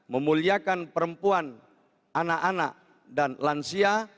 memuliakan perempuan anak anak dan lansia